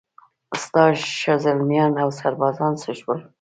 ستا شازلمیان اوسربازان څه شول؟